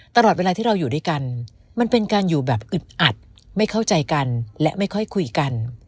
ตลอดเวลาที่เราอยู่ด้วยกันมันเป็นการอยู่แบบอึดอัดไม่เข้าใจกันและไม่ค่อยคุยกัน